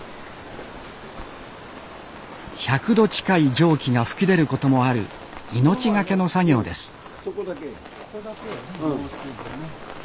１００℃近い蒸気が噴き出ることもある命懸けの作業です